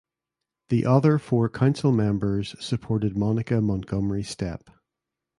The other four council members supported Monica Montgomery Steppe.